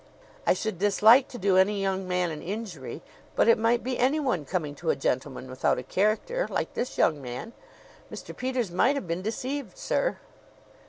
I should dislike to do any young man an injury; but it might be anyone coming to a gentleman without a character, like this young man. Mr. Peters might have been deceived, sir."